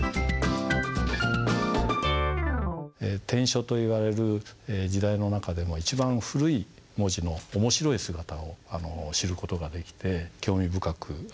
篆書といわれる時代の中でも一番古い文字の面白い姿を知る事ができて興味深く勉強する事ができます。